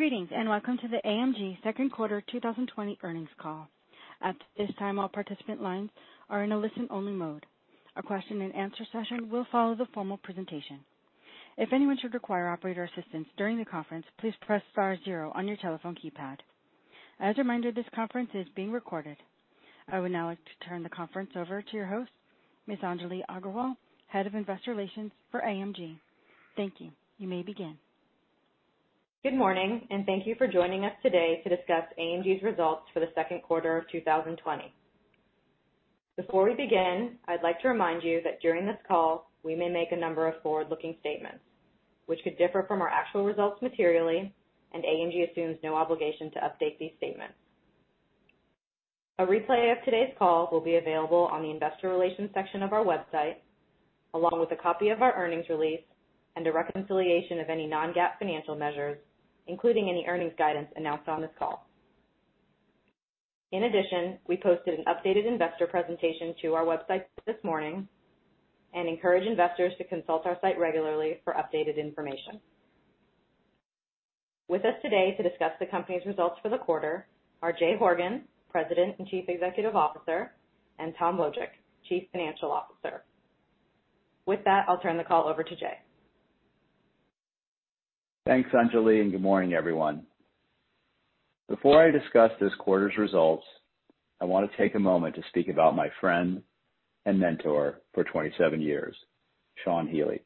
Greetings, welcome to the AMG second quarter 2020 earnings call. At this time, all participant lines are in a listen-only mode. A question-and-answer session will follow the formal presentation. If anyone should require operator assistance during the conference, please press star zero on your telephone keypad. As a reminder, this conference is being recorded. I would now like to turn the conference over to your host, Ms. Anjali Aggarwal, Head of Investor Relations for AMG. Thank you. You may begin. Good morning. Thank you for joining us today to discuss AMG's results for the second quarter of 2020. Before we begin, I'd like to remind you that during this call, we may make a number of forward-looking statements, which could differ from our actual results materially, and AMG assumes no obligation to update these statements. A replay of today's call will be available on the Investor Relations section of our website, along with a copy of our earnings release and a reconciliation of any non-GAAP financial measures, including any earnings guidance announced on this call. In addition, we posted an updated investor presentation to our website this morning and encourage investors to consult our site regularly for updated information. With us today to discuss the company's results for the quarter are Jay Horgen, President and Chief Executive Officer, and Tom Wojcik, Chief Financial Officer. With that, I'll turn the call over to Jay. Thanks, Anjali. Good morning, everyone. Before I discuss this quarter's results, I want to take a moment to speak about my friend and mentor for 27 years, Sean Healey.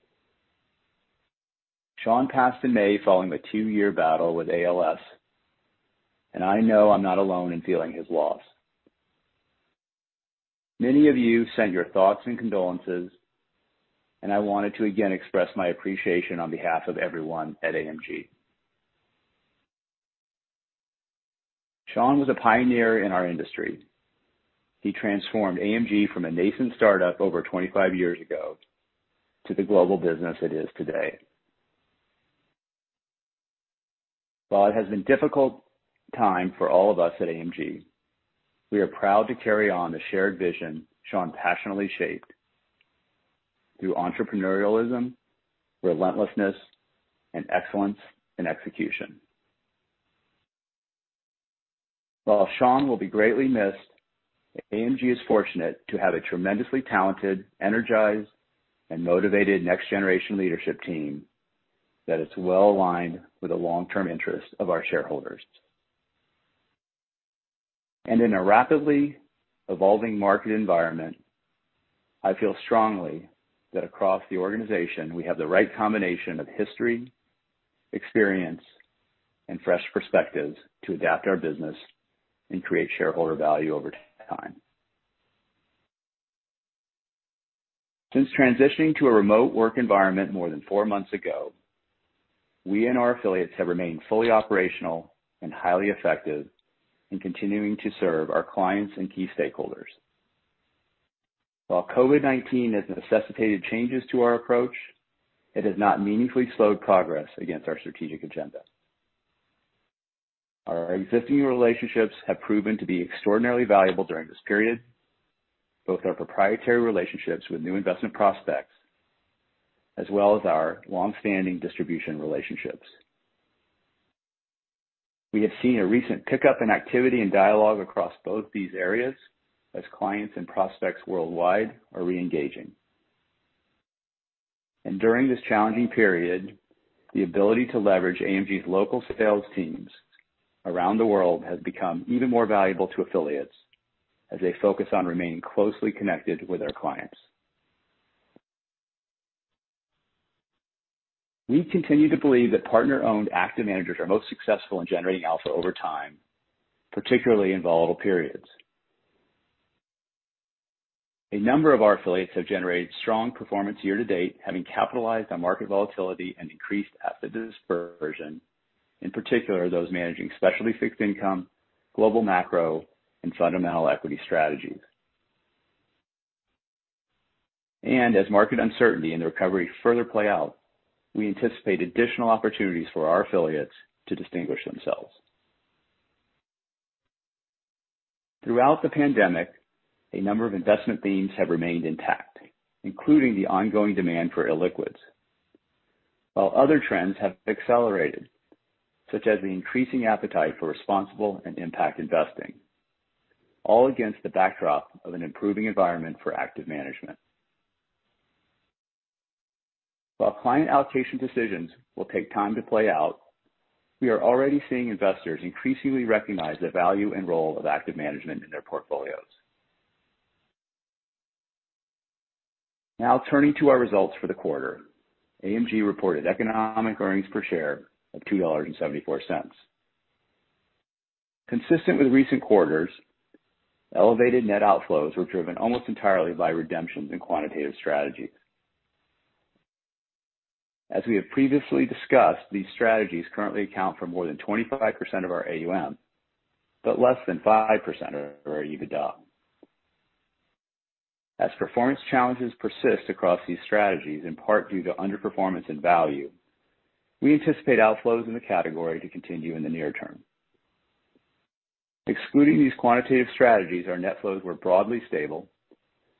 Sean passed in May following a two-year battle with ALS. I know I'm not alone in feeling his loss. Many of you sent your thoughts and condolences. I wanted to again express my appreciation on behalf of everyone at AMG. Sean was a pioneer in our industry. He transformed AMG from a nascent startup over 25 years ago to the global business it is today. While it has been difficult time for all of us at AMG, we are proud to carry on the shared vision Sean passionately shaped through entrepreneurialism, relentlessness, and excellence in execution. While Sean will be greatly missed, AMG is fortunate to have a tremendously talented, energized, and motivated next-generation leadership team that is well aligned with the long-term interests of our shareholders. In a rapidly evolving market environment, I feel strongly that across the organization, we have the right combination of history, experience, and fresh perspectives to adapt our business and create shareholder value over time. Since transitioning to a remote work environment more than four months ago, we and our affiliates have remained fully operational and highly effective in continuing to serve our clients and key stakeholders. While COVID-19 has necessitated changes to our approach, it has not meaningfully slowed progress against our strategic agenda. Our existing relationships have proven to be extraordinarily valuable during this period, both our proprietary relationships with new investment prospects, as well as our long-standing distribution relationships. We have seen a recent pickup in activity and dialogue across both these areas as clients and prospects worldwide are re-engaging. During this challenging period, the ability to leverage AMG's local sales teams around the world has become even more valuable to affiliates as they focus on remaining closely connected with their clients. We continue to believe that partner-owned active managers are most successful in generating alpha over time, particularly in volatile periods. A number of our affiliates have generated strong performance year-to-date, having capitalized on market volatility and increased asset dispersion, in particular, those managing specialty fixed income, global macro, and fundamental equity strategies. As market uncertainty and the recovery further play out, we anticipate additional opportunities for our affiliates to distinguish themselves. Throughout the pandemic, a number of investment themes have remained intact, including the ongoing demand for illiquids. While other trends have accelerated, such as the increasing appetite for responsible and impact investing, all against the backdrop of an improving environment for active management. While client allocation decisions will take time to play out, we are already seeing investors increasingly recognize the value and role of active management in their portfolios. Now turning to our results for the quarter. AMG reported economic earnings per share of $2.74. Consistent with recent quarters, elevated net outflows were driven almost entirely by redemptions in quantitative strategies. As we have previously discussed, these strategies currently account for more than 25% of our AUM, but less than 5% of our EBITDA. As performance challenges persist across these strategies, in part due to underperformance in value, we anticipate outflows in the category to continue in the near term. Excluding these quantitative strategies, our net flows were broadly stable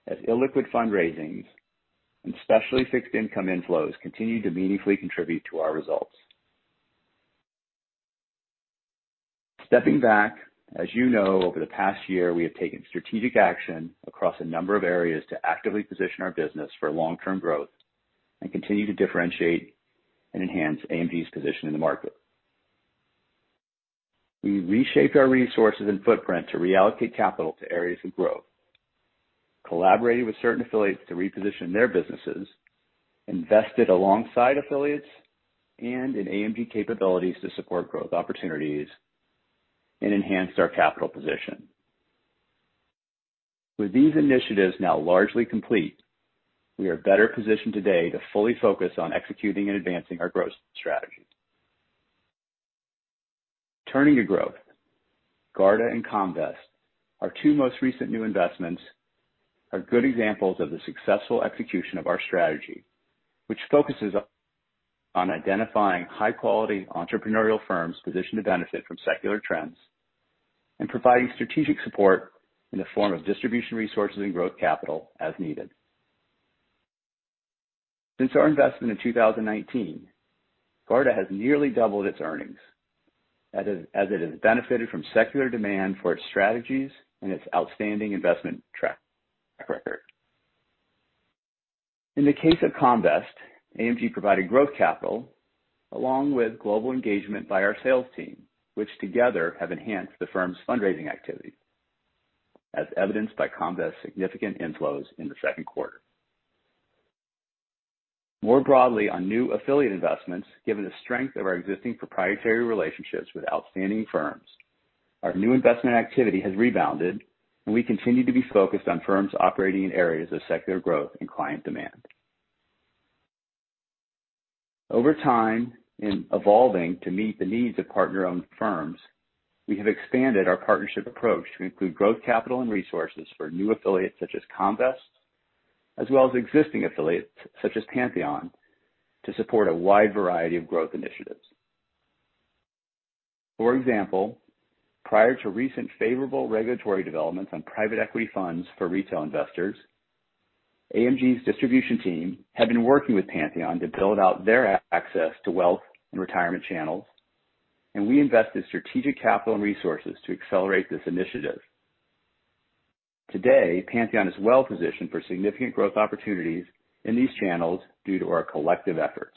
as illiquid fundraisings and specialty fixed income inflows continued to meaningfully contribute to our results. Stepping back, as you know, over the past year, we have taken strategic action across a number of areas to actively position our business for long-term growth and continue to differentiate and enhance AMG's position in the market. We reshaped our resources and footprint to reallocate capital to areas of growth, collaborated with certain affiliates to reposition their businesses, invested alongside affiliates and in AMG capabilities to support growth opportunities, and enhanced our capital position. With these initiatives now largely complete, we are better positioned today to fully focus on executing and advancing our growth strategies. Turning to growth, Garda and Comvest, our two most recent new investments, are good examples of the successful execution of our strategy, which focuses on identifying high-quality entrepreneurial firms positioned to benefit from secular trends, and providing strategic support in the form of distribution resources and growth capital as needed. Since our investment in 2019, Garda has nearly doubled its earnings as it has benefited from secular demand for its strategies and its outstanding investment track record. In the case of Comvest, AMG provided growth capital along with global engagement by our sales team, which together have enhanced the firm's fundraising activity, as evidenced by Comvest's significant inflows in the second quarter. More broadly on new affiliate investments, given the strength of our existing proprietary relationships with outstanding firms, our new investment activity has rebounded, and we continue to be focused on firms operating in areas of secular growth and client demand. Over time, in evolving to meet the needs of partner-owned firms, we have expanded our partnership approach to include growth capital and resources for new affiliates such as Comvest, as well as existing affiliates such as Pantheon, to support a wide variety of growth initiatives. For example, prior to recent favorable regulatory developments on private equity funds for retail investors, AMG's distribution team had been working with Pantheon to build out their access to wealth and retirement channels, and we invested strategic capital and resources to accelerate this initiative. Today, Pantheon is well positioned for significant growth opportunities in these channels due to our collective efforts.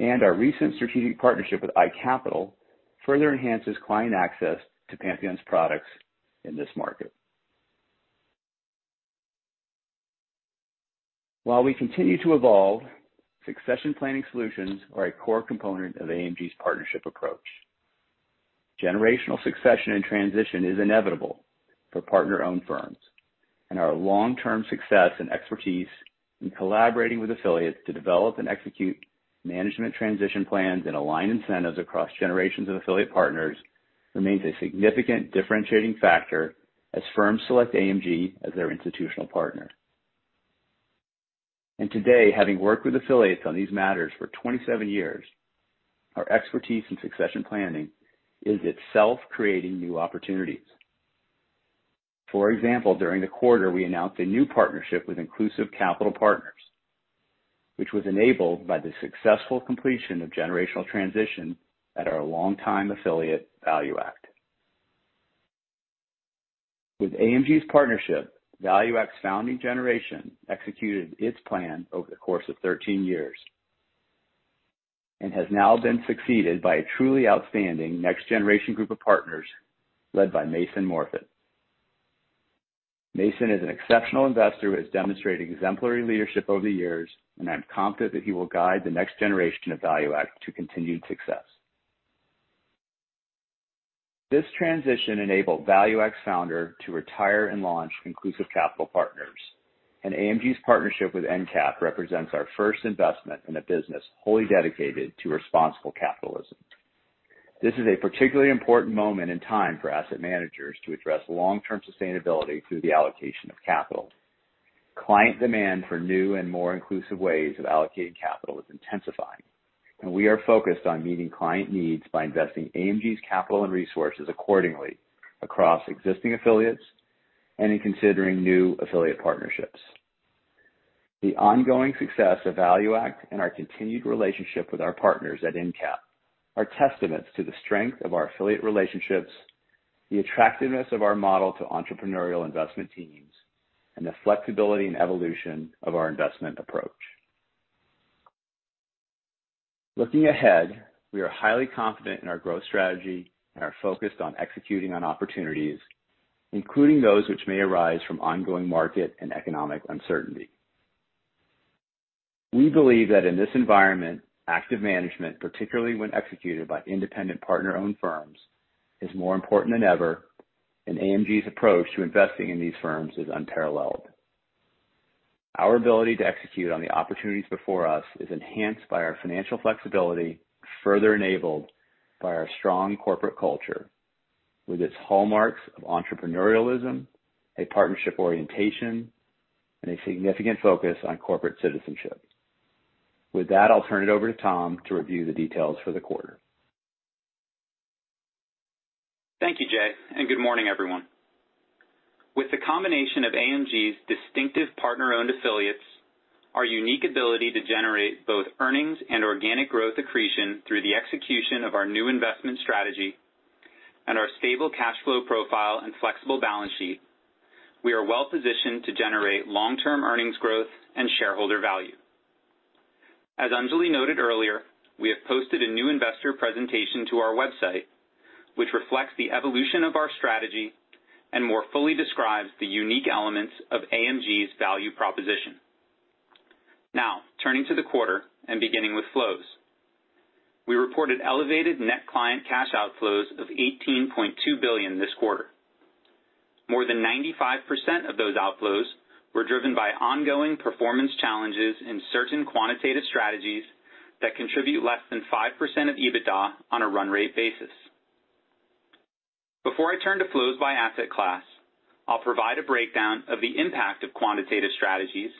Our recent strategic partnership with iCapital further enhances client access to Pantheon's products in this market. While we continue to evolve, succession planning solutions are a core component of AMG's partnership approach. Generational succession and transition is inevitable for partner-owned firms, and our long-term success and expertise in collaborating with affiliates to develop and execute management transition plans and align incentives across generations of affiliate partners remains a significant differentiating factor as firms select AMG as their institutional partner. Today, having worked with affiliates on these matters for 27 years, our expertise in succession planning is itself creating new opportunities. For example, during the quarter, we announced a new partnership with Inclusive Capital Partners, which was enabled by the successful completion of generational transition at our longtime affiliate, ValueAct. With AMG's partnership, ValueAct's founding generation executed its plan over the course of 13 years and has now been succeeded by a truly outstanding next generation group of partners led by Mason Morfit. Mason is an exceptional investor who has demonstrated exemplary leadership over the years, and I'm confident that he will guide the next generation of ValueAct to continued success. This transition enabled ValueAct's founder to retire and launch Inclusive Capital Partners, and AMG's partnership with In-Cap represents our first investment in a business wholly dedicated to responsible capitalism. This is a particularly important moment in time for asset managers to address long-term sustainability through the allocation of capital. Client demand for new and more inclusive ways of allocating capital is intensifying, and we are focused on meeting client needs by investing AMG's capital and resources accordingly across existing affiliates and in considering new affiliate partnerships. The ongoing success of ValueAct and our continued relationship with our partners at In-Cap are testaments to the strength of our affiliate relationships, the attractiveness of our model to entrepreneurial investment teams, and the flexibility and evolution of our investment approach. Looking ahead, we are highly confident in our growth strategy and are focused on executing on opportunities, including those which may arise from ongoing market and economic uncertainty. We believe that in this environment, active management, particularly when executed by independent partner-owned firms, is more important than ever, and AMG's approach to investing in these firms is unparalleled. Our ability to execute on the opportunities before us is enhanced by our financial flexibility, further enabled by our strong corporate culture with its hallmarks of entrepreneurialism, a partnership orientation, and a significant focus on corporate citizenship. With that, I'll turn it over to Tom to review the details for the quarter. Thank you, Jay. Good morning, everyone. With the combination of AMG's distinctive partner-owned affiliates, our unique ability to generate both earnings and organic growth accretion through the execution of our new investment strategy, and our stable cash flow profile and flexible balance sheet, we are well positioned to generate long-term earnings growth and shareholder value. As Anjali noted earlier, we have posted a new investor presentation to our website, which reflects the evolution of our strategy and more fully describes the unique elements of AMG's value proposition. Turning to the quarter and beginning with flows. We reported elevated net client cash outflows of $18.2 billion this quarter. More than 95% of those outflows were driven by ongoing performance challenges in certain quantitative strategies that contribute less than 5% of EBITDA on a run rate basis. Before I turn to flows by asset class, I'll provide a breakdown of the impact of quantitative strategies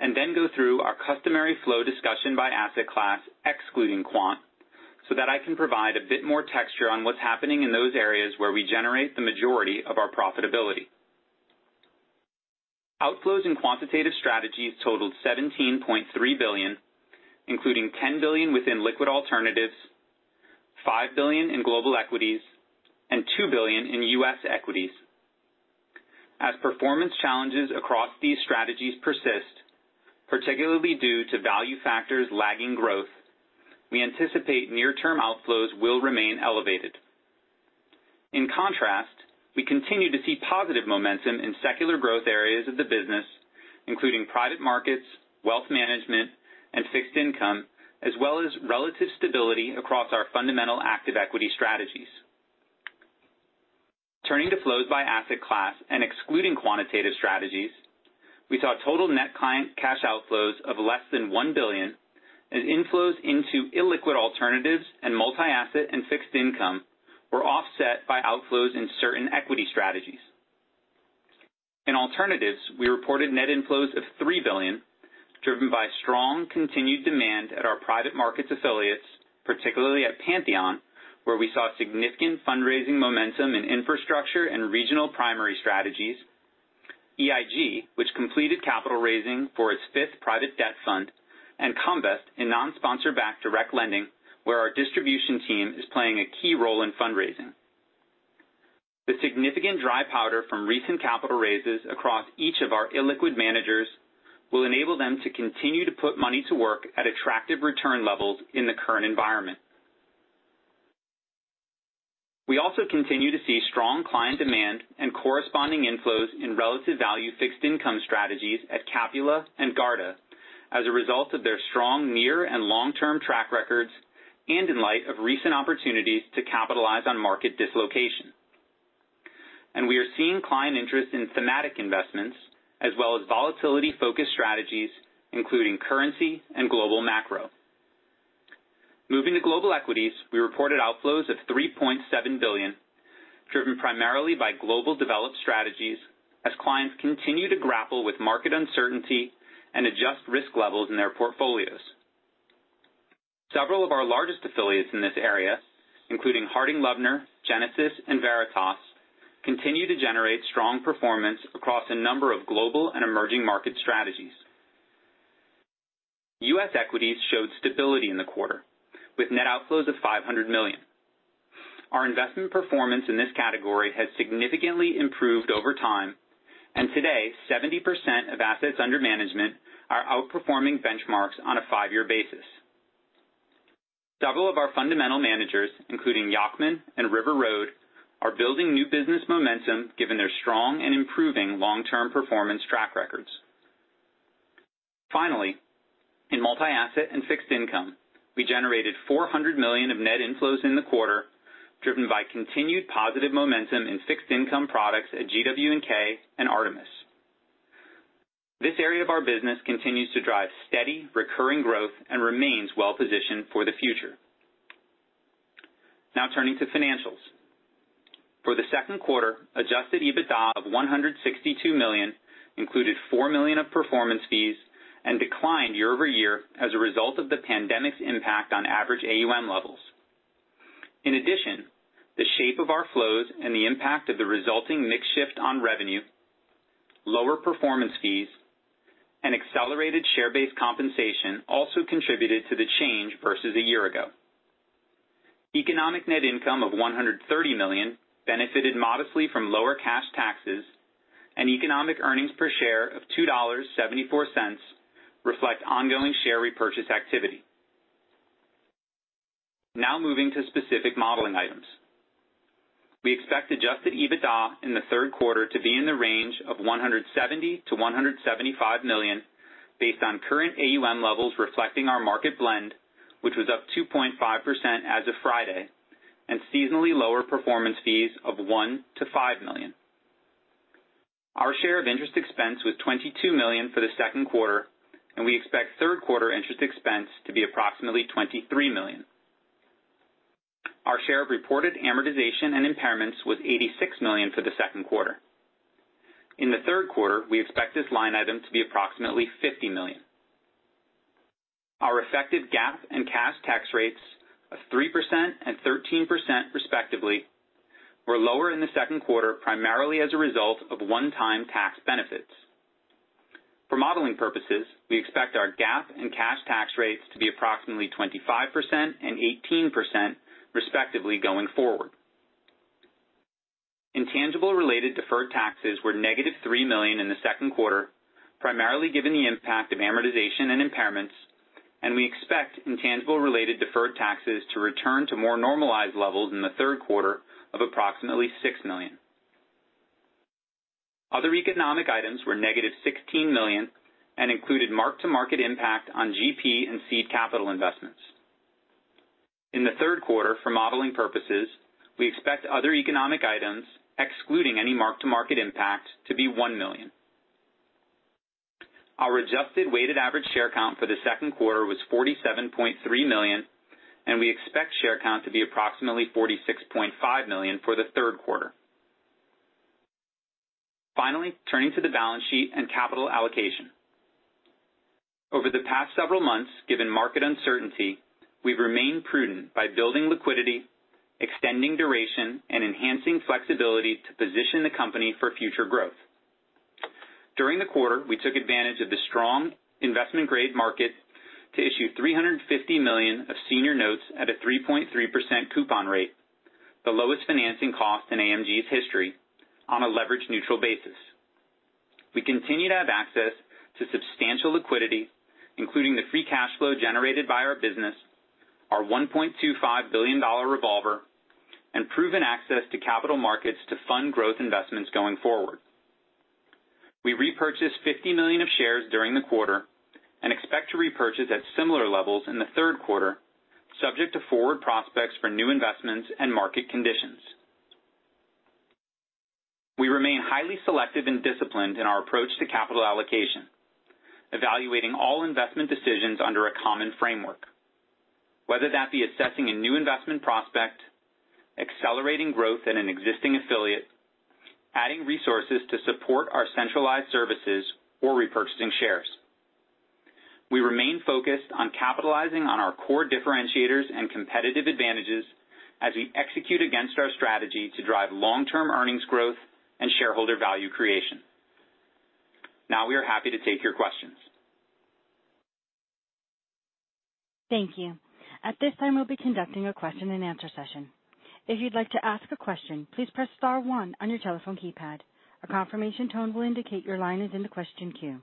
and then go through our customary flow discussion by asset class, excluding quant, so that I can provide a bit more texture on what's happening in those areas where we generate the majority of our profitability. Outflows in quantitative strategies totaled $17.3 billion, including $10 billion within liquid alternatives, $5 billion in global equities, and $2 billion in U.S. equities. As performance challenges across these strategies persist, particularly due to value factors lagging growth, we anticipate near-term outflows will remain elevated. In contrast, we continue to see positive momentum in secular growth areas of the business, including private markets, wealth management, and fixed income, as well as relative stability across our fundamental active equity strategies. Turning to flows by asset class and excluding quantitative strategies, we saw total net client cash outflows of less than $1 billion, as inflows into illiquid alternatives and multi-asset and fixed income were offset by outflows in certain equity strategies. In alternatives, we reported net inflows of $3 billion, driven by strong continued demand at our private markets affiliates, particularly at Pantheon, where we saw significant fundraising momentum in infrastructure and regional primary strategies, EIG, which completed capital raising for its fifth private debt fund, and Comvest in non-sponsor backed direct lending, where our distribution team is playing a key role in fundraising. The significant dry powder from recent capital raises across each of our illiquid managers will enable them to continue to put money to work at attractive return levels in the current environment. We also continue to see strong client demand and corresponding inflows in relative value fixed income strategies at Capula and Garda as a result of their strong near and long-term track records, and in light of recent opportunities to capitalize on market dislocation. We are seeing client interest in thematic investments as well as volatility focused strategies, including currency and global macro. Moving to global equities, we reported outflows of $3.7 billion, driven primarily by global developed strategies as clients continue to grapple with market uncertainty and adjust risk levels in their portfolios. Several of our largest affiliates in this area, including Harding Loevner, Genesis, and Veritas, continue to generate strong performance across a number of global and emerging market strategies. U.S. equities showed stability in the quarter, with net outflows of $500 million. Our investment performance in this category has significantly improved over time, and today, 70% of assets under management are outperforming benchmarks on a five-year basis. Several of our fundamental managers, including Yacktman and River Road, are building new business momentum given their strong and improving long-term performance track records. In multi-asset and fixed income, we generated $400 million of net inflows in the quarter, driven by continued positive momentum in fixed income products at GW&K and Artemis. This area of our business continues to drive steady, recurring growth and remains well positioned for the future. Turning to financials. For the second quarter, adjusted EBITDA of $162 million included $4 million of performance fees and declined year-over-year as a result of the pandemic's impact on average AUM levels. In addition, the shape of our flows and the impact of the resulting mix shift on revenue, lower performance fees, and accelerated share-based compensation also contributed to the change versus a year ago. Economic net income of $130 million benefited modestly from lower cash taxes, and Economic earnings per share of $2.74 reflect ongoing share repurchase activity. Moving to specific modeling items. We expect Adjusted EBITDA in the third quarter to be in the range of $170 million-$175 million based on current AUM levels reflecting our market blend, which was up 2.5% as of Friday, and seasonally lower performance fees of $1 million-$5 million. Our share of interest expense was $22 million for the second quarter, and we expect third quarter interest expense to be approximately $23 million. Our share of reported amortization and impairments was $86 million for the second quarter. In the third quarter, we expect this line item to be approximately $50 million. Our effective GAAP and cash tax rates of 3% and 13%, respectively, were lower in the second quarter, primarily as a result of one-time tax benefits. For modeling purposes, we expect our GAAP and cash tax rates to be approximately 25% and 18%, respectively, going forward. Intangible-related deferred taxes were $ -3 million in the second quarter, primarily given the impact of amortization and impairments, and we expect intangible-related deferred taxes to return to more normalized levels in the third quarter of approximately $6 million. Other economic items were $ -16 million and included mark-to-market impact on GP and seed capital investments. In the third quarter, for modeling purposes, we expect other economic items, excluding any mark-to-market impact, to be $1 million. Our adjusted weighted average share count for the second quarter was 47.3 million, and we expect share count to be approximately 46.5 million for the third quarter. Finally, turning to the balance sheet and capital allocation. Over the past several months, given market uncertainty, we've remained prudent by building liquidity, extending duration, and enhancing flexibility to position the company for future growth. During the quarter, we took advantage of the strong investment-grade market to issue $350 million of senior notes at a 3.3% coupon rate, the lowest financing cost in AMG's history on a leverage-neutral basis. We continue to have access to substantial liquidity, including the free cash flow generated by our business, our $1.25 billion revolver, and proven access to capital markets to fund growth investments going forward. We repurchased $50 million of shares during the quarter and expect to repurchase at similar levels in the third quarter, subject to forward prospects for new investments and market conditions. We remain highly selective and disciplined in our approach to capital allocation, evaluating all investment decisions under a common framework, whether that be assessing a new investment prospect, accelerating growth in an existing affiliate, adding resources to support our centralized services, or repurchasing shares. We remain focused on capitalizing on our core differentiators and competitive advantages as we execute against our strategy to drive long-term earnings growth and shareholder value creation. Now we are happy to take your questions. Thank you. At this time, we'll be conducting a question-and-answer session. If you'd like to ask a question, please press star one on your telephone keypad. A confirmation tone will indicate your line is in the question queue.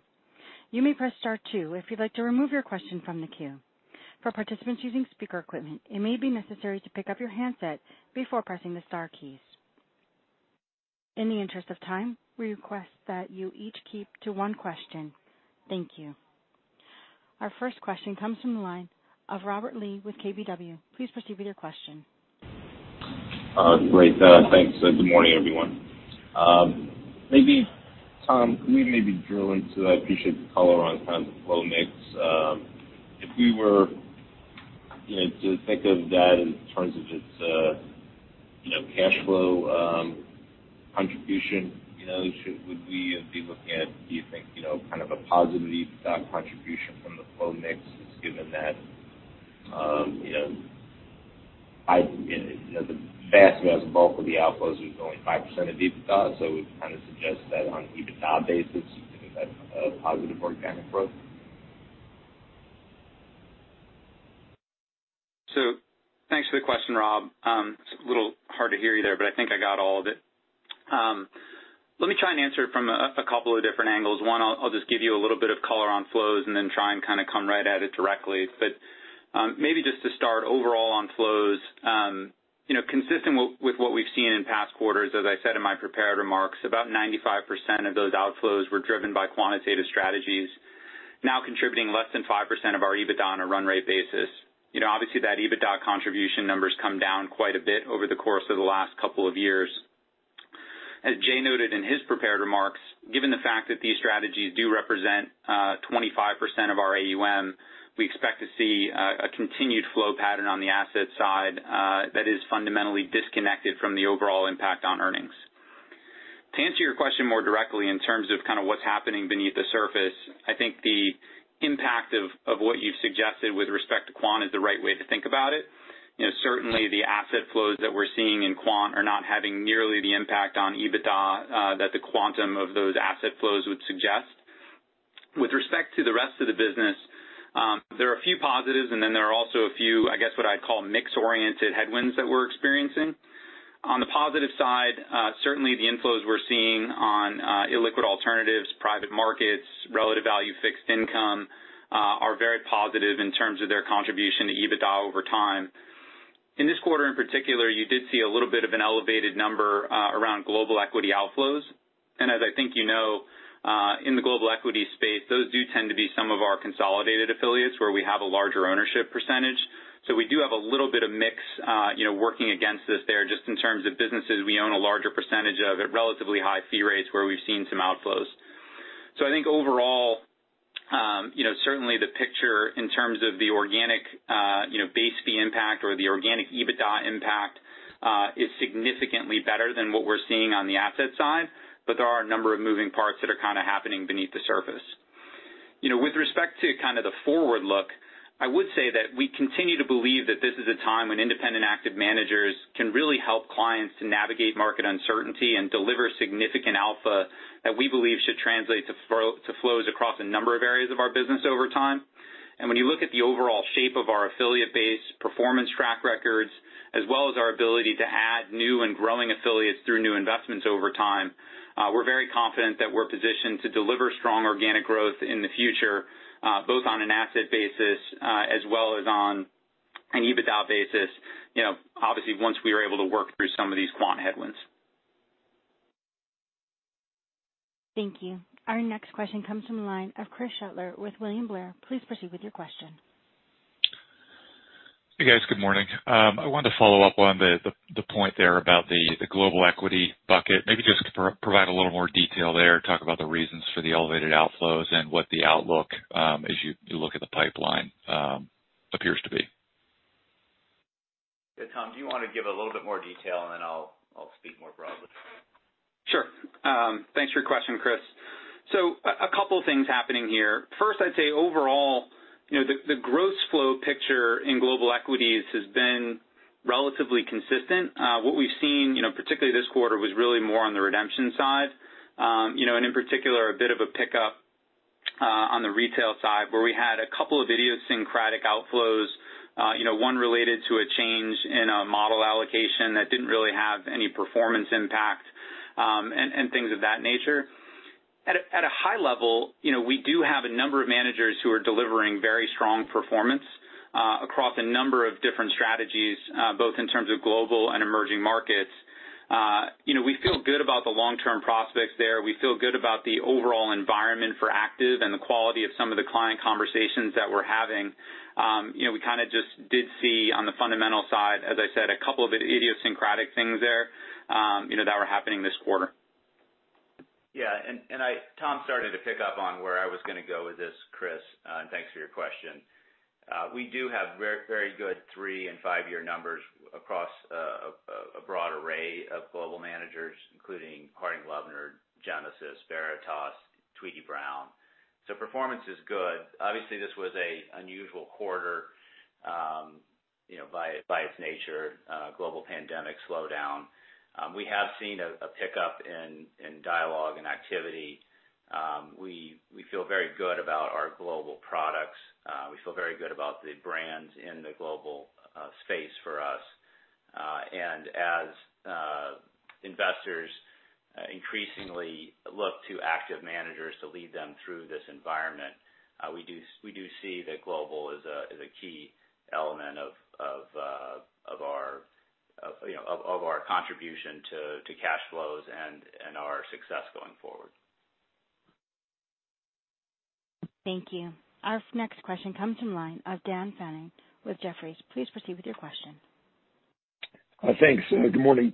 You may press star two if you'd like to remove your question from the queue. For participants using speaker equipment, it may be necessary to pick up your handset before pressing the star keys. In the interest of time, we request that you each keep to one question. Thank you. Our first question comes from the line of Robert Lee with KBW. Please proceed with your question. Great. Thanks. Good morning, everyone. Tom, can we maybe drill into that? I appreciate the color on kind of the flow mix. To think of that in terms of its cash flow contribution, would we be looking at, do you think, kind of a positive EBITDA contribution from the flow mix, given that the vast bulk of the outflows was only 5% of EBITDA, so it would kind of suggest that on an EBITDA basis, you can have a positive organic growth? Thanks for the question, Rob. It's a little hard to hear you there, but I think I got all of it. Let me try and answer it from a couple of different angles. One, I'll just give you a little bit of color on flows and then try and kind of come right at it directly. Maybe just to start overall on flows, consistent with what we've seen in past quarters, as I said in my prepared remarks, about 95% of those outflows were driven by quantitative strategies now contributing less than 5% of our EBITDA on a run rate basis. Obviously, that EBITDA contribution number's come down quite a bit over the course of the last couple of years. As Jay noted in his prepared remarks, given the fact that these strategies do represent 25% of our AUM, we expect to see a continued flow pattern on the asset side that is fundamentally disconnected from the overall impact on earnings. To answer your question more directly in terms of kind of what's happening beneath the surface, I think the impact of what you've suggested with respect to quant is the right way to think about it. Certainly, the asset flows that we're seeing in quant are not having nearly the impact on EBITDA that the quantum of those asset flows would suggest. With respect to the rest of the business, there are a few positives, and then there are also a few, I guess, what I'd call mix-oriented headwinds that we're experiencing. On the positive side, certainly the inflows we're seeing on illiquid alternatives, private markets, relative value fixed income are very positive in terms of their contribution to EBITDA over time. In this quarter in particular, you did see a little bit of an elevated number around global equity outflows. As I think you know, in the global equity space, those do tend to be some of our consolidated affiliates where we have a larger ownership percentage. We do have a little bit of mix working against us there just in terms of businesses we own a larger percentage of at relatively high fee rates where we've seen some outflows. So I think overall, certainly the picture in terms of the organic base fee impact or the organic EBITDA impact is significantly better than what we're seeing on the asset side, but there are a number of moving parts that are happening beneath the surface. With respect to the forward look, I would say that we continue to believe that this is a time when independent active managers can really help clients to navigate market uncertainty and deliver significant alpha that we believe should translate to flows across a number of areas of our business over time. When you look at the overall shape of our affiliate base, performance track records, as well as our ability to add new and growing affiliates through new investments over time, we're very confident that we're positioned to deliver strong organic growth in the future, both on an asset basis as well as on an EBITDA basis, obviously, once we are able to work through some of these quant headwinds. Thank you. Our next question comes from the line of Chris Shutler with William Blair. Please proceed with your question. Hey, guys. Good morning. I wanted to follow up on the point there about the global equity bucket. Maybe just provide a little more detail there, talk about the reasons for the elevated outflows and what the outlook, as you look at the pipeline, appears to be. Yeah. Tom, do you want to give a little bit more detail and then I'll speak more broadly? Sure. Thanks for your question, Chris. A couple things happening here. First, I'd say overall, the gross flow picture in global equities has been relatively consistent. What we've seen, particularly this quarter, was really more on the redemption side. In particular, a bit of a pickup on the retail side, where we had a couple of idiosyncratic outflows. One related to a change in a model allocation that didn't really have any performance impact, and things of that nature. At a high level, we do have a number of managers who are delivering very strong performance across a number of different strategies, both in terms of global and emerging markets. We feel good about the long-term prospects there. We feel good about the overall environment for active and the quality of some of the client conversations that we're having. We just did see on the fundamental side, as I said, a couple of idiosyncratic things there that were happening this quarter. Yeah. Tom started to pick up on where I was going to go with this, Chris, and thanks for your question. We do have very good three and five-year numbers across a broad array of global managers, including Harding Loevner, Genesis, Veritas, Tweedy, Browne. Performance is good. Obviously, this was a unusual quarter by its nature, global pandemic slowdown. We have seen a pickup in dialogue and activity. We feel very good about our global products. We feel very good about the brands in the global space for us. As investors increasingly look to active managers to lead them through this environment, we do see that global is a key element of our contribution to cash flows and our success going forward. Thank you. Our next question comes from line of Dan Fannon with Jefferies. Please proceed with your question. Thanks. Good morning.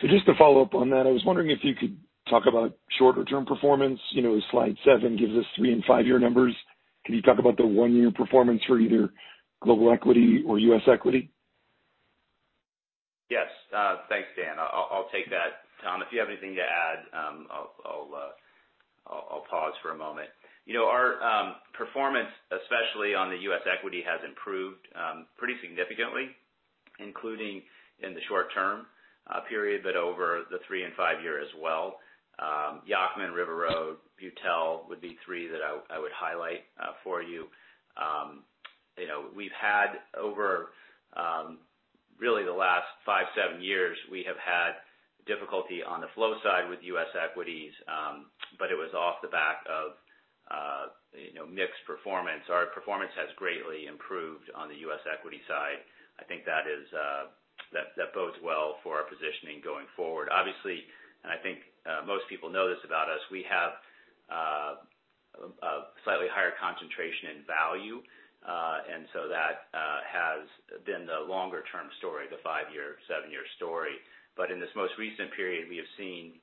Just to follow up on that, I was wondering if you could talk about shorter-term performance. Slide seven gives us three and five-year numbers. Can you talk about the one-year performance for either global equity or U.S. equity? Yes. Thanks, Dan. I'll take that. Tom, if you have anything to add, I'll pause for a moment. Our performance, especially on the U.S. equity, has improved pretty significantly, including in the short-term period, but over the three and five-year as well. Yacktman, River Road, Beutel would be three that I would highlight for you. Over really the last five, seven years, we have had difficulty on the flow side with U.S. equities, but it was off the back of mixed performance. Our performance has greatly improved on the U.S. equity side. I think that bodes well for our positioning going forward. Obviously, and I think most people know this about us, we have a slightly higher concentration in value. That has been the longer-term story, the five-year, seven-year story. In this most recent period, we have seen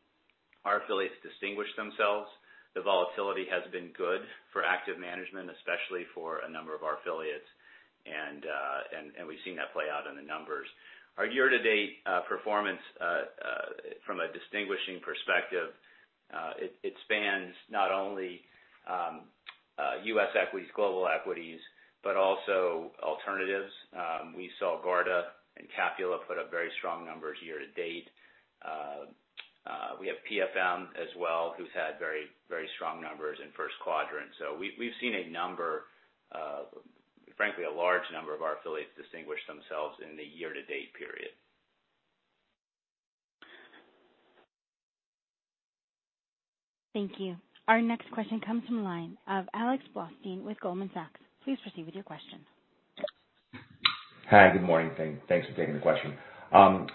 our affiliates distinguish themselves. The volatility has been good for active management, especially for a number of our affiliates. We've seen that play out in the numbers. Our year-to-date performance, from a distinguishing perspective, it spans not only U.S. equities, global equities, but also alternatives. We saw Garda and Capula put up very strong numbers year-to-date. We have PFM as well, who's had very strong numbers in First Quadrant. We've seen, frankly, a large number of our affiliates distinguish themselves in the year-to-date period. Thank you. Our next question comes from the line of Alex Blostein with Goldman Sachs. Please proceed with your question. Hi, good morning. Thanks for taking the question.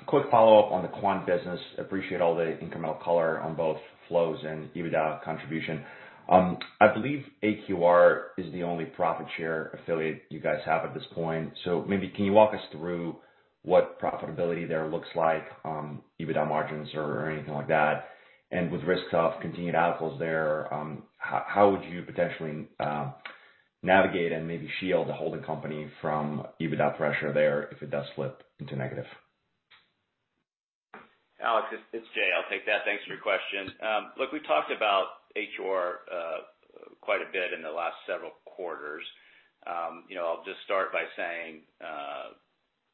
Quick follow-up on the quant business. Appreciate all the incremental color on both flows and EBITDA contribution. I believe AQR is the only profit share affiliate you guys have at this point. Maybe can you walk us through what profitability there looks like on EBITDA margins or anything like that. With risks of continued outflows there, how would you potentially navigate and maybe shield the holding company from EBITDA pressure there if it does flip into negative? Alex, it's Jay, I'll take that. Thanks for your question. Look, we've talked about AQR quite a bit in the last several quarters. I'll just start by saying,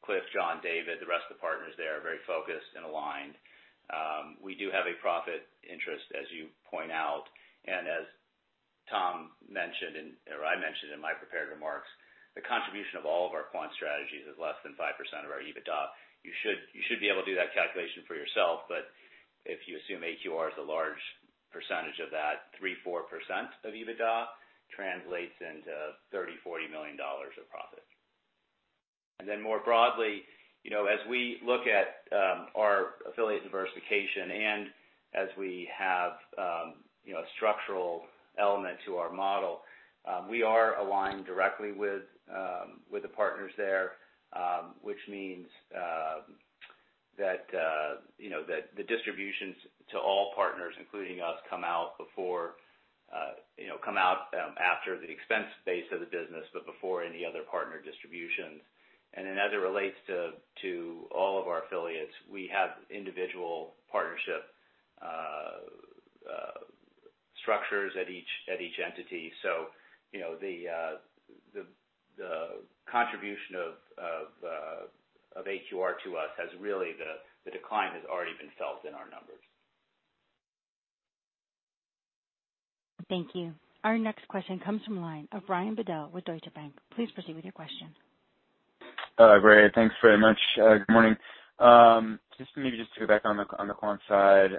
Cliff, John, David, the rest of the partners there are very focused and aligned. We do have a profit interest, as you point out, and as Tom mentioned, or I mentioned in my prepared remarks, the contribution of all of our quant strategies is less than 5% of our EBITDA. You should be able to do that calculation for yourself, but if you assume AQR is a large percentage of that, 3%, 4% of EBITDA translates into $30, $40 million of profit. More broadly, as we look at our affiliate diversification and as we have a structural element to our model, we are aligned directly with the partners there. Which means that the distributions to all partners, including us, come out after the expense base of the business, but before any other partner distributions. As it relates to all of our affiliates, we have individual partnership structures at each entity. The contribution of AQR to us, really, the decline has already been felt in our numbers. Thank you. Our next question comes from the line of Brian Bedell with Deutsche Bank. Please proceed with your question. Great. Thanks very much. Good morning. Just maybe to go back on the quant side,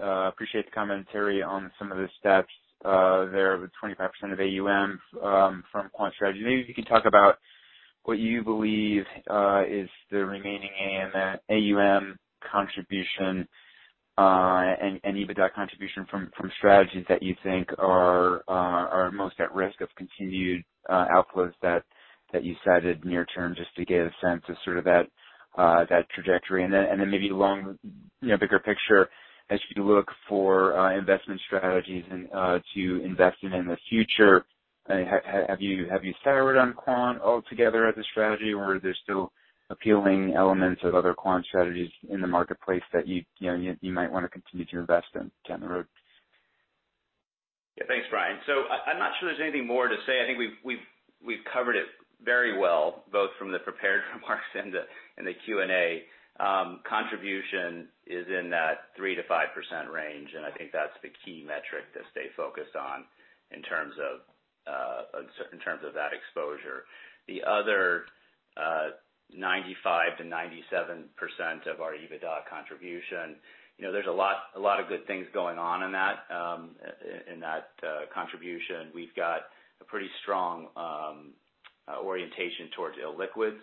appreciate the commentary on some of the steps there with 25% of AUM from quant strategy. Maybe if you could talk about what you believe is the remaining AUM contribution and EBITDA contribution from strategies that you think are most at risk of continued outflows that you cited near term, just to get a sense of that trajectory. Maybe bigger picture, as you look for investment strategies to invest in in the future, have you settled on quant altogether as a strategy? Or are there still appealing elements of other quant strategies in the marketplace that you might want to continue to invest in down the road? Yeah, thanks, Brian. I'm not sure there's anything more to say. I think we've covered it very well, both from the prepared remarks and the Q&A. Contribution is in that 3%-5% range, and I think that's the key metric to stay focused on in terms of that exposure. The other 95%-97% of our EBITDA contribution, there's a lot of good things going on in that contribution. We've got a pretty strong orientation towards illiquids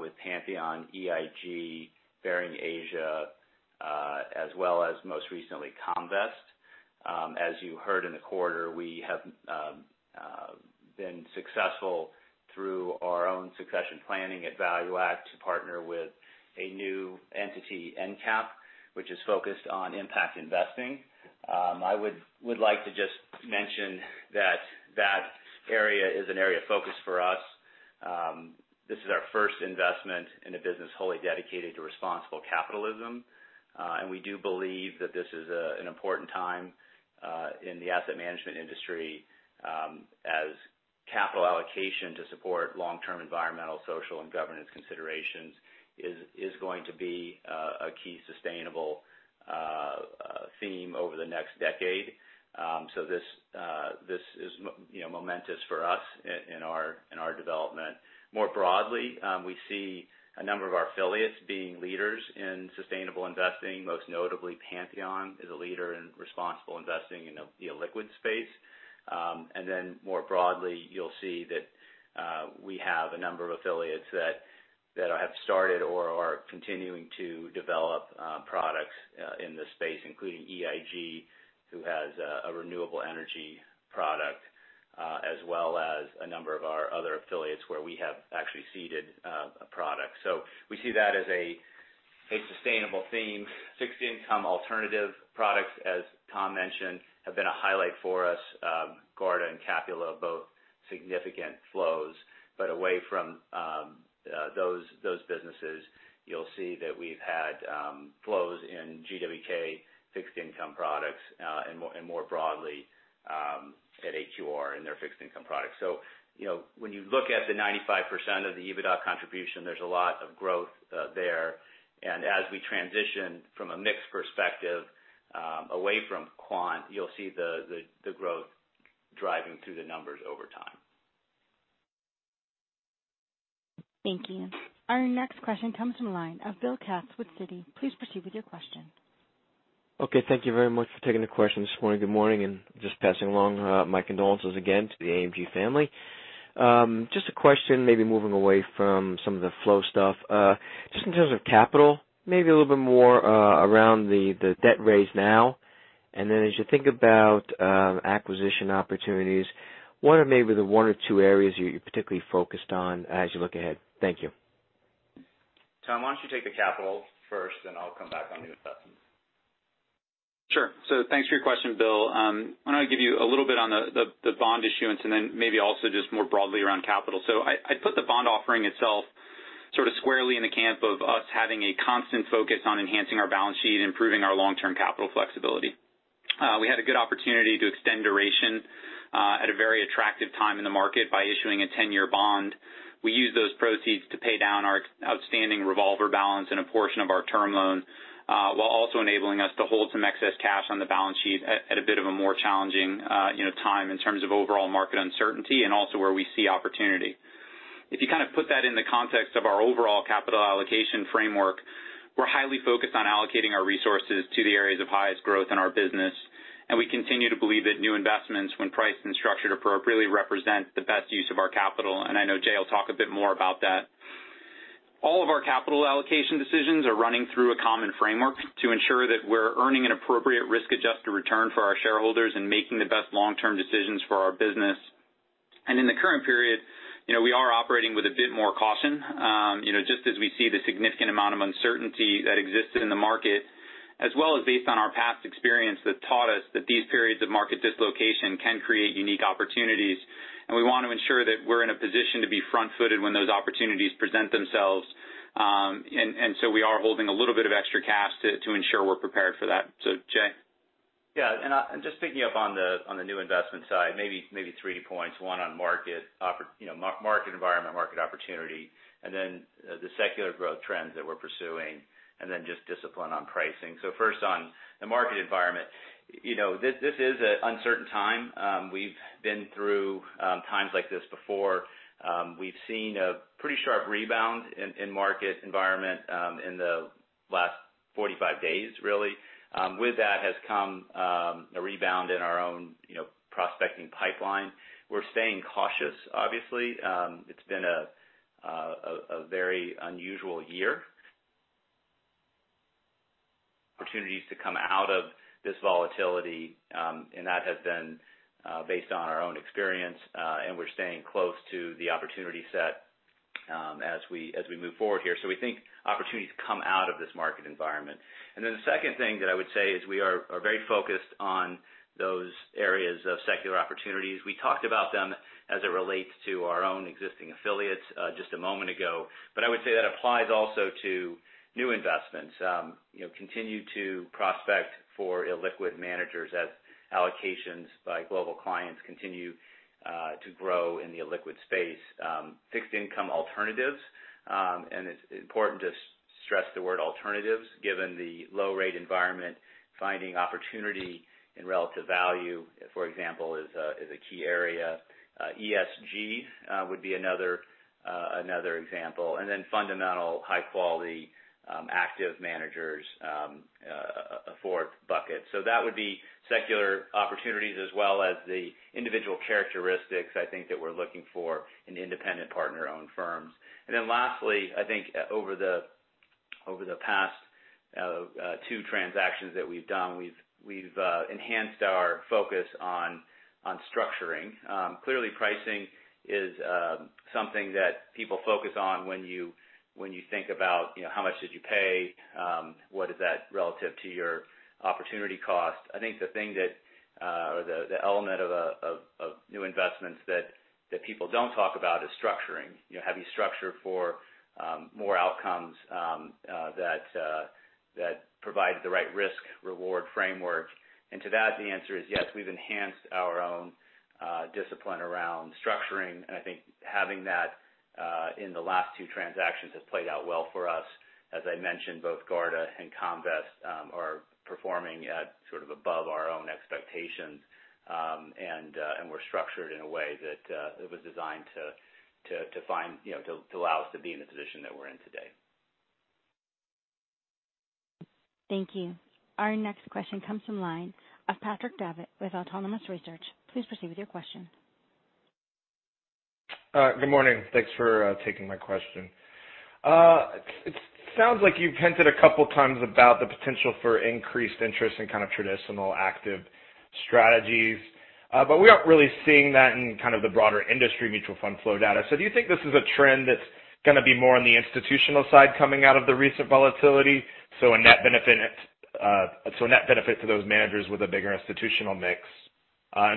with Pantheon, EIG, Baring Asia, as well as most recently Comvest. As you heard in the quarter, we have been successful through our own succession planning at ValueAct to partner with a new entity, In-Cap, which is focused on impact investing. I would like to just mention that that area is an area of focus for us. This is our first investment in a business wholly dedicated to responsible capitalism. We do believe that this is an important time in the asset management industry as capital allocation to support long-term environmental, social, and governance considerations is going to be a key sustainable theme over the next decade. This is momentous for us in our development. More broadly, we see a number of our affiliates being leaders in sustainable investing. Most notably, Pantheon is a leader in responsible investing in the illiquid space. Then more broadly, you'll see that we have a number of affiliates that have started or are continuing to develop products in this space, including EIG, who has a renewable energy product, as well as a number of our other affiliates where we have actually seeded a product. We see that as a sustainable theme. Fixed income alternative products, as Tom mentioned, have been a highlight for us. Garda and Capula are both significant flows. Away from those businesses, you'll see that we've had flows in GW&K fixed income products and more broadly at AQR in their fixed income products. When you look at the 95% of the EBITDA contribution, there's a lot of growth there. As we transition from a mix perspective away from quant, you'll see the growth driving through the numbers over time. Thank you. Our next question comes from the line of Bill Katz with Citi. Please proceed with your question. Okay, thank you very much for taking the question this morning. Good morning. Just passing along my condolences again to the AMG family. Just a question, maybe moving away from some of the flow stuff. Just in terms of capital, maybe a little bit more around the debt raise now. As you think about acquisition opportunities, what are maybe the one or two areas you're particularly focused on as you look ahead? Thank you. Tom, why don't you take the capital first, then I'll come back on the investments. Sure. Thanks for your question, Bill. Why don't I give you a little bit on the bond issuance and then maybe also just more broadly around capital. I'd put the bond offering itself sort of squarely in the camp of us having a constant focus on enhancing our balance sheet and improving our long-term capital flexibility. We had a good opportunity to extend duration at a very attractive time in the market by issuing a 10-year bond. We used those proceeds to pay down our outstanding revolver balance and a portion of our term loan, while also enabling us to hold some excess cash on the balance sheet at a bit of a more challenging time in terms of overall market uncertainty and also where we see opportunity. If you put that in the context of our overall capital allocation framework, we're highly focused on allocating our resources to the areas of highest growth in our business, and we continue to believe that new investments, when priced and structured appropriately, represent the best use of our capital. I know Jay will talk a bit more about that. All of our capital allocation decisions are running through a common framework to ensure that we're earning an appropriate risk-adjusted return for our shareholders and making the best long-term decisions for our business. In the current period, we are operating with a bit more caution. Just as we see the significant amount of uncertainty that exists in the market, as well as based on our past experience that taught us that these periods of market dislocation can create unique opportunities. We want to ensure that we're in a position to be front-footed when those opportunities present themselves. We are holding a little bit of extra cash to ensure we're prepared for that. Jay. Just picking up on the new investment side, maybe three points. One on market environment, market opportunity, and then the secular growth trends that we're pursuing, and then just discipline on pricing. First on the market environment. This is an uncertain time. We've been through times like this before. We've seen a pretty sharp rebound in market environment in the last 45 days, really. With that has come a rebound in our own prospecting pipeline. We're staying cautious, obviously. It's been a very unusual year. Opportunities to come out of this volatility, and that has been based on our own experience. We're staying close to the opportunity set as we move forward here. We think opportunities come out of this market environment. The second thing that I would say is we are very focused on those areas of secular opportunities. We talked about them as it relates to our own existing affiliates just a moment ago. I would say that applies also to new investments. Continue to prospect for illiquid managers as allocations by global clients continue to grow in the illiquid space. Fixed income alternatives, it's important to stress the word alternatives, given the low rate environment, finding opportunity and relative value, for example, is a key area. ESG would be another example. Fundamental high quality active managers, a fourth bucket. That would be secular opportunities as well as the individual characteristics, I think, that we're looking for in independent partner-owned firms. Lastly, I think over the past two transactions that we've done, we've enhanced our focus on structuring. Clearly pricing is something that people focus on when you think about how much did you pay? What is that relative to your opportunity cost? I think the thing that, or the element of new investments that people don't talk about is structuring. Have you structured for more outcomes that provide the right risk reward framework? To that, the answer is yes. We've enhanced our own discipline around structuring, and I think having that in the last two transactions has played out well for us. As I mentioned, both Garda and Comvest are performing at sort of above our own expectations. We're structured in a way that was designed to allow us to be in the position that we're in today. Thank you. Our next question comes from line of Patrick Davitt with Autonomous Research. Please proceed with your question. Good morning. Thanks for taking my question. It sounds like you've hinted a couple times about the potential for increased interest in kind of traditional active strategies. But we aren't really seeing that in kind of the broader industry mutual fund flow data. Do you think this is a trend that's going to be more on the Institutional side coming out of the recent volatility? A net benefit to those managers with a bigger Institutional mix.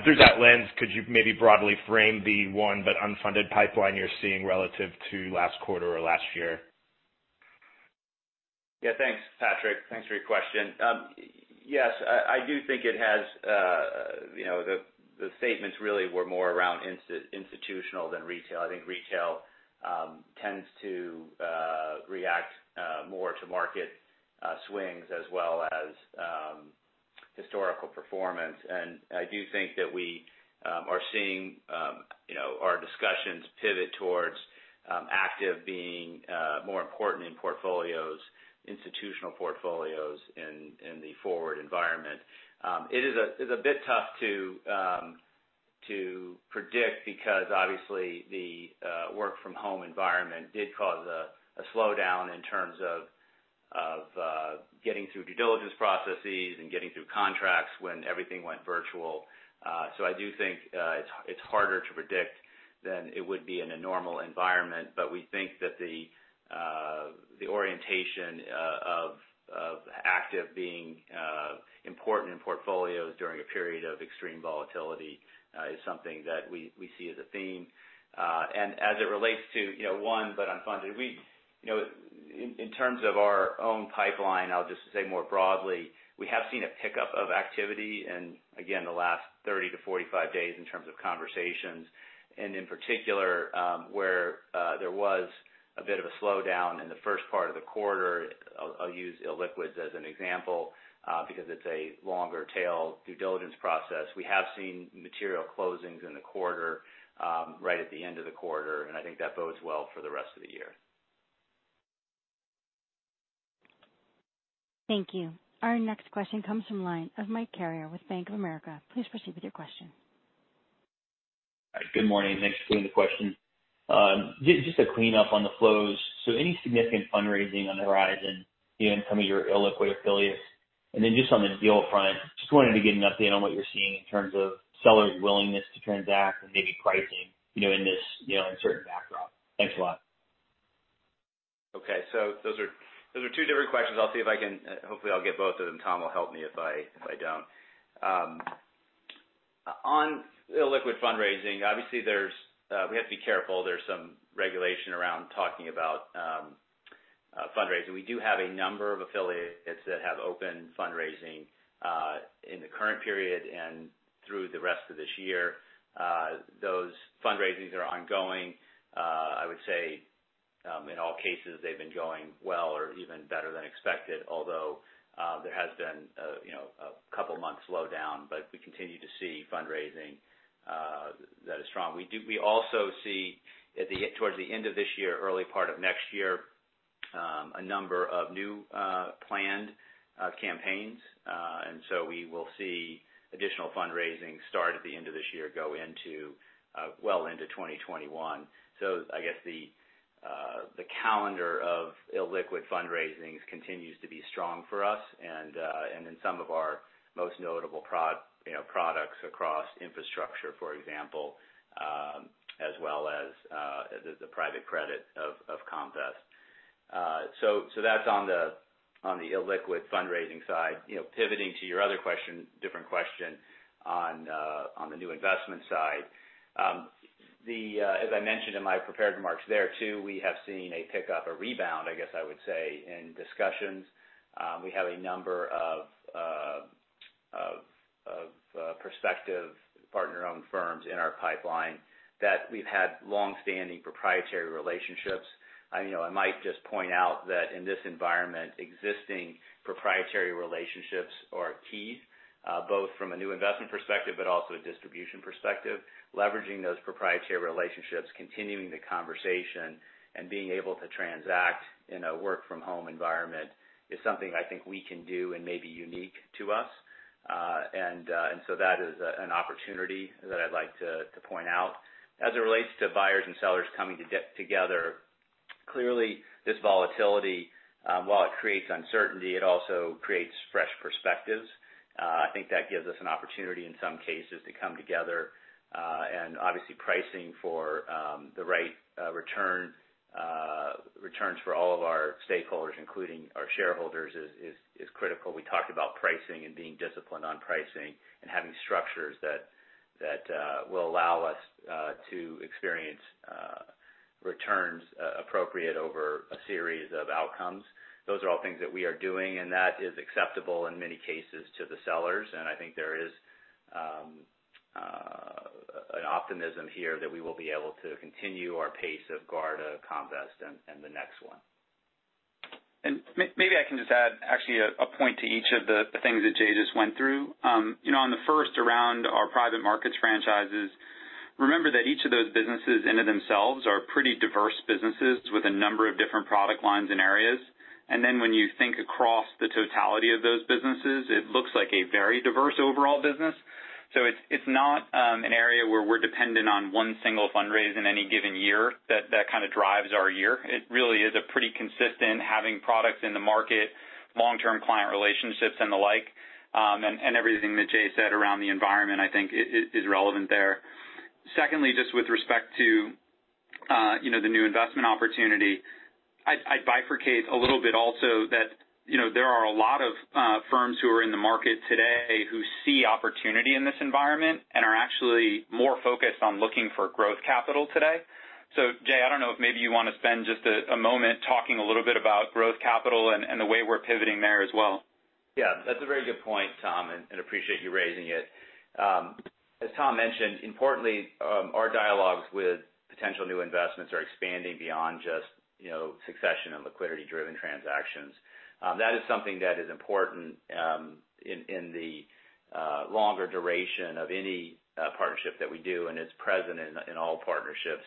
Through that lens, could you maybe broadly frame the won but unfunded pipeline you're seeing relative to last quarter or last year? Yeah, thanks, Patrick. Thanks for your question. Yes. The statements really were more around Institutional than Retail. I think Retail tends to react more to market swings as well as historical performance. I do think that we are seeing our discussions pivot towards active being more important in Institutional portfolios in the forward environment. It is a bit tough to predict because obviously the work from home environment did cause a slowdown in terms of getting through due diligence processes and getting through contracts when everything went virtual. I do think it's harder to predict than it would be in a normal environment. We think that the orientation of active being important in portfolios during a period of extreme volatility is something that we see as a theme. As it relates to won but unfunded, in terms of our own pipeline, I'll just say more broadly, we have seen a pickup of activity in, again, the last 30 to 45 days in terms of conversations, and in particular, where there was a bit of a slowdown in the first part of the quarter. I'll use illiquids as an example, because it's a longer tail due diligence process. We have seen material closings in the quarter right at the end of the quarter, and I think that bodes well for the rest of the year. Thank you. Our next question comes from line of Mike Carrier with Bank of America. Please proceed with your question. Good morning. Thanks for taking the question. Just to clean up on the flows. Any significant fundraising on the horizon in some of your illiquid affiliates? Just on the deal front, just wanted to get an update on what you're seeing in terms of seller willingness to transact and maybe pricing, in this uncertain backdrop. Thanks a lot. Okay. Those are two different questions. Hopefully, I'll get both of them. Tom will help me if I don't. On illiquid fundraising, obviously, we have to be careful. There's some regulation around talking about fundraising. We do have a number of affiliates that have open fundraising, in the current period and through the rest of this year. Those fundraisings are ongoing. I would say, in all cases, they've been going well or even better than expected, although there has been a couple months slowdown. We continue to see fundraising that is strong. We also see towards the end of this year, early part of next year, a number of new planned campaigns. We will see additional fundraising start at the end of this year, go well into 2021. I guess the calendar of illiquid fundraisings continues to be strong for us and in some of our most notable products across infrastructure, for example, as well as the private credit of Comvest. That's on the illiquid fundraising side. Pivoting to your other question, different question on the new investment side. As I mentioned in my prepared remarks there too, we have seen a pickup, a rebound, I guess I would say, in discussions. We have a number of prospective partner-owned firms in our pipeline that we've had long-standing proprietary relationships. I might just point out that in this environment, existing proprietary relationships are key, both from a new investment perspective, but also a distribution perspective. Leveraging those proprietary relationships, continuing the conversation, and being able to transact in a work from home environment is something I think we can do and may be unique to us. That is an opportunity that I'd like to point out. As it relates to buyers and sellers coming together, clearly this volatility, while it creates uncertainty, it also creates fresh perspectives. I think that gives us an opportunity in some cases to come together. Obviously pricing for the right returns for all of our stakeholders, including our shareholders, is critical. We talked about pricing and being disciplined on pricing and having structures that will allow us to experience returns appropriate over a series of outcomes. Those are all things that we are doing, and that is acceptable in many cases to the sellers. I think there is an optimism here that we will be able to continue our pace of Garda, Comvest and the next one. Maybe I can just add actually a point to each of the things that Jay just went through. On the first around our private markets franchises, remember that each of those businesses in it themselves are pretty diverse businesses with a number of different product lines and areas. When you think across the totality of those businesses, it looks like a very diverse overall business. It's not an area where we're dependent on one single fundraise in any given year that kind of drives our year. It really is a pretty consistent having products in the market, long-term client relationships and the like. Everything that Jay said around the environment, I think is relevant there. Secondly, just with respect to the new investment opportunity. I bifurcate a little bit also that there are a lot of firms who are in the market today who see opportunity in this environment and are actually more focused on looking for growth capital today. Jay, I don't know if maybe you want to spend just a moment talking a little bit about growth capital and the way we're pivoting there as well. Yeah, that's a very good point, Tom, and appreciate you raising it. As Tom mentioned, importantly, our dialogues with potential new investments are expanding beyond just succession and liquidity-driven transactions. That is something that is important in the longer duration of any partnership that we do, and it's present in all partnerships,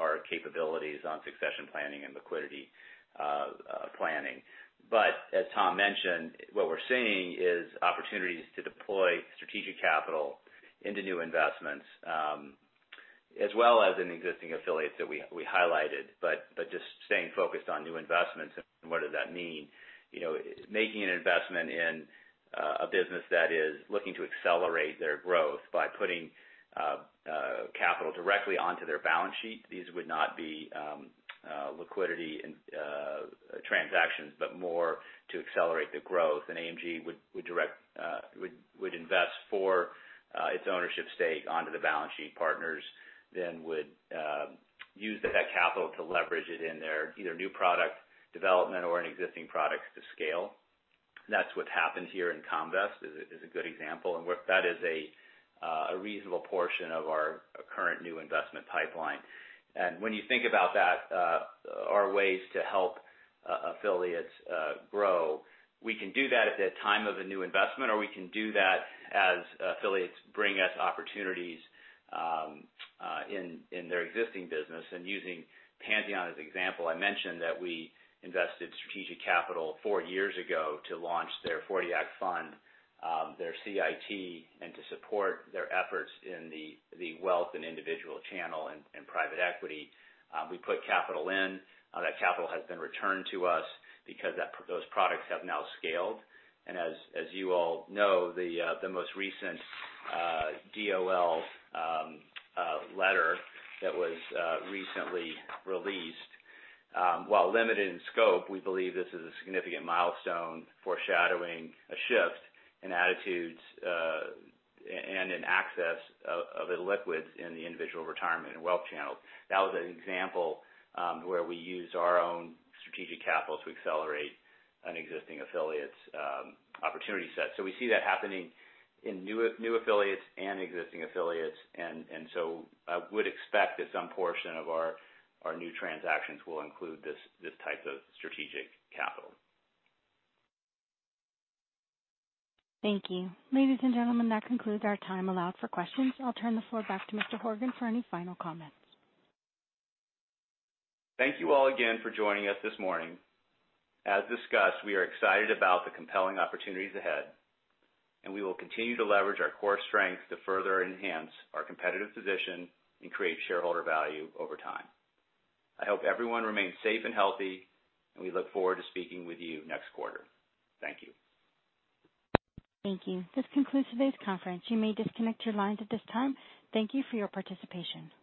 our capabilities on succession planning and liquidity planning. As Tom mentioned, what we're seeing is opportunities to deploy strategic capital into new investments as well as in existing affiliates that we highlighted. Just staying focused on new investments and what does that mean? Making an investment in a business that is looking to accelerate their growth by putting capital directly onto their balance sheet. These would not be liquidity transactions, but more to accelerate the growth. AMG would invest for its ownership stake onto the balance sheet partners, then would use that capital to leverage it in their either new product development or in existing products to scale. That's what's happened here in Comvest, is a good example. That is a reasonable portion of our current new investment pipeline. When you think about that, our ways to help affiliates grow, we can do that at the time of a new investment, or we can do that as affiliates bring us opportunities in their existing business. Using Pantheon as an example, I mentioned that we invested strategic capital four years ago to launch their '40 Act fund, their CIT, and to support their efforts in the wealth and individual channel in private equity. We put capital in. That capital has been returned to us because those products have now scaled. As you all know, the most recent DOL letter that was recently released, while limited in scope, we believe this is a significant milestone foreshadowing a shift in attitudes and in access of illiquids in the individual retirement and wealth channel. That was an example where we used our own strategic capital to accelerate an existing affiliate's opportunity set. We see that happening in new affiliates and existing affiliates. I would expect that some portion of our new transactions will include this type of strategic capital. Thank you. Ladies and gentlemen, that concludes our time allowed for questions. I'll turn the floor back to Mr. Horgen for any final comments. Thank you all again for joining us this morning. As discussed, we are excited about the compelling opportunities ahead, and we will continue to leverage our core strengths to further enhance our competitive position and create shareholder value over time. I hope everyone remains safe and healthy, and we look forward to speaking with you next quarter. Thank you. Thank you. This concludes today's conference. You may disconnect your lines at this time. Thank you for your participation.